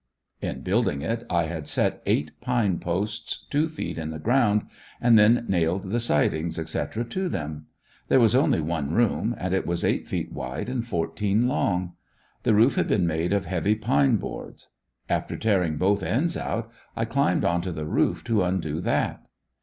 In building it I had set eight pine posts two feet in the ground, and then nailed the sidings, etc., to them. There was only one room and it was eight feet wide and fourteen long. The roof had been made of heavy pine boards. After tearing both ends out, I climbed onto the roof to undo that.